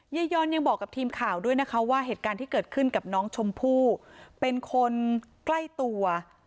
ยอนยังบอกกับทีมข่าวด้วยนะคะว่าเหตุการณ์ที่เกิดขึ้นกับน้องชมพู่เป็นคนใกล้ตัว